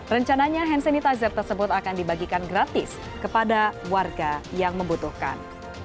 rencananya hand sanitizer tersebut akan dibagikan gratis kepada warga yang membutuhkan